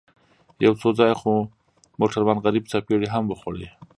يو څو ځايه خو موټروان غريب څپېړې هم وخوړې.